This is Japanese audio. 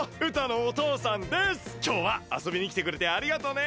きょうはあそびにきてくれてありがとうね！